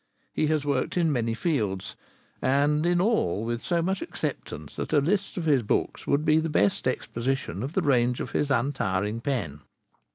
He has worked in many fields, and in all with so much acceptance that a list of his books would be the best exposition of the range of his untiring pen.